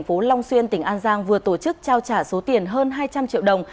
phố long xuyên tỉnh an giang vừa tổ chức trao trả số tiền hơn hai trăm linh triệu đồng